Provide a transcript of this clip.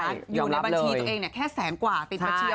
อยู่ในบัญชีตัวเองเนี่ยแค่แสนกว่าติดประเทียไว้